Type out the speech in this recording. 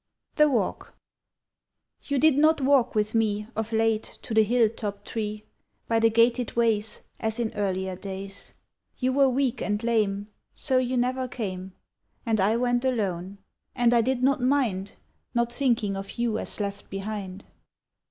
THE WALK YOU did not walk with me Of late to the hill top tree By the gated ways, As in earlier days; You were weak and lame, So you never came, And I went alone, and I did not mind, Not thinking of you as left behind.